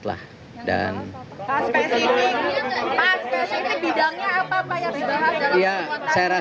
pak spesifik pak spesifik bidangnya apa